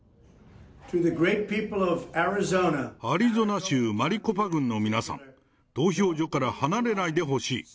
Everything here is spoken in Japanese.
アリゾナ州マリコパ郡の皆さん、投票所から離れないでほしい。